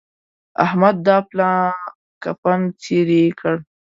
احمد دا پلا کفن څيرې کړ.